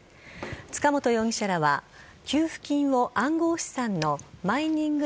塚本容疑者らは給付金を暗号資産のマイニング